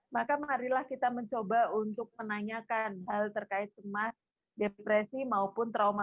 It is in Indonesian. maka marilah kita mencoba untuk menanyakan hal terkait cemas depresi maupun trauma